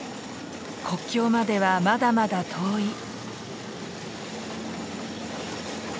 国境まではまだまだ遠い。